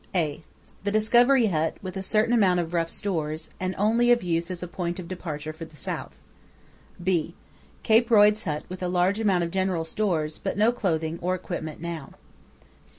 (a) The Discovery Hut with a certain amount of rough stores, and only of use as a point of departure for the South. (b) Cape Royds Hut with a large amount of general stores, but no clothing or equipment now.